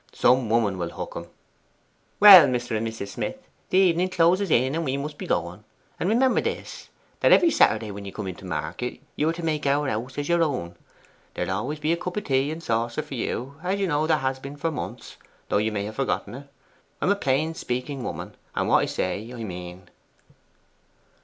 Some woman will hook him.' 'Well, Mr. and Mrs. Smith, the evening closes in, and we must be going; and remember this, that every Saturday when you come in to market, you are to make our house as your own. There will be always a tea cup and saucer for you, as you know there has been for months, though you may have forgotten it. I'm a plain speaking woman, and what I say I mean.